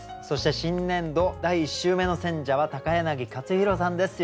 そして新年度第１週目の選者は柳克弘さんです。